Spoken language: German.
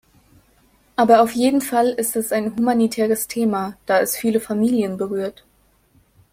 Aber auf jeden Fall ist es ein humanitäres Thema, da es viele Familien berührt.